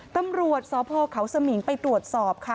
ตำรวจสพเขาสมิงไปตรวจสอบค่ะ